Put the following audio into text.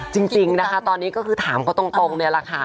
จริงนะคะตอนนี้ก็คือถามเขาตรงเนี่ยแหละค่ะ